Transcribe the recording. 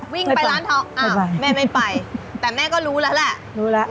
วิ่งไปร้านทองอ้าวแม่ไม่ไปแต่แม่ก็รู้แล้วแหละรู้แล้ว